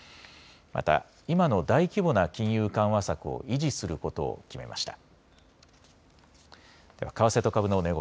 また今の大規模な金融緩和策を維持することを決めました。